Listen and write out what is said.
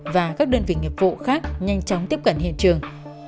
và các đơn vị nghiệp vụ khác nhanh chóng tiếp cận hiện trường